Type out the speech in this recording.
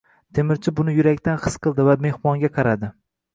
Temirchi buni yurakdan his qildi va mehmonga qaradi.